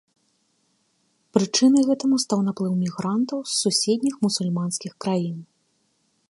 Прычынай гэтаму стаў наплыў мігрантаў з суседнім мусульманскіх краін.